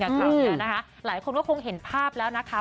คราวนี้นะคะหลายคนก็คงเห็นภาพแล้วนะคะ